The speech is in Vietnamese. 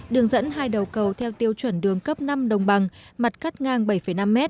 đường dẫn hai đầu cầu theo tiêu chuẩn đường cấp năm đồng bằng mặt cắt ngang bảy năm m